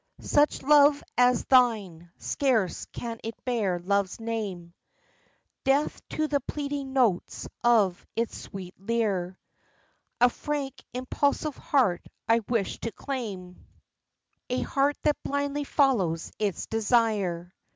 Such love as thine, scarce can it bear love's name, Deaf to the pleading notes of his sweet lyre, A frank, impulsive heart I wish to claim, A heart that blindly follows its desire.